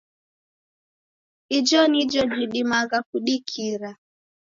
Ijo nijo jidimagha kudikira.